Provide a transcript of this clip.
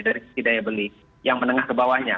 dari setidaknya beli yang menengah ke bawahnya